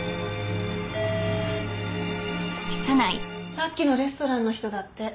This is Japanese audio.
さっきのレストランの人だって。